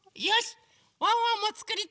ワンワンもつくりたいです。